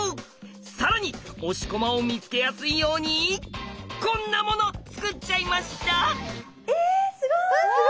推し駒を見つけやすいようにこんなもの作っちゃいました！